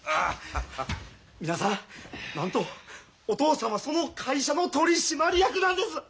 皆さんなんとおとうさんはその会社の取締役なんです！